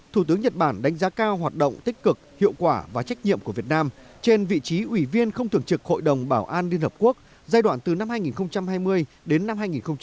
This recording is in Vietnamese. thủ tướng nhật bản đánh giá cao hoạt động tích cực hiệu quả và trách nhiệm của việt nam trên vị trí ủy viên không thường trực hội đồng bảo an liên hợp quốc giai đoạn từ năm hai nghìn hai mươi đến năm hai nghìn hai mươi một